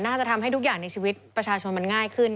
น่าจะทำให้ทุกอย่างในชีวิตประชาชนมันง่ายขึ้น